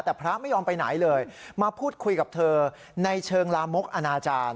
แต่พระไม่ยอมไปไหนเลยมาพูดคุยกับเธอในเชิงลามกอนาจารย์